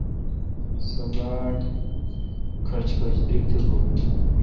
سو باڑکھچ کھچ دریگ تہ گوی۔